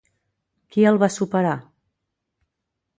Qui el va superar?